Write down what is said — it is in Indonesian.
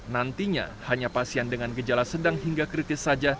nantinya hanya pasien dengan gejala sedang hingga kritis saja